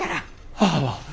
母は？